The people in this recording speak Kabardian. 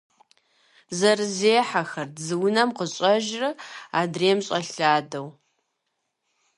Зэрызехьэхэрт, зы унэм къыщӀэжрэ адрейм щӀэлъадэу.